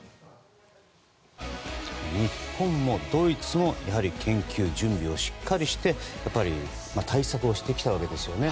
日本もドイツもやはり研究、準備をしっかりして対策をしてきたわけですよね。